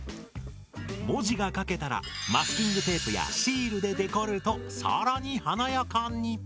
文字が書けたらマスキングテープやシールでデコるとさらに華やかに。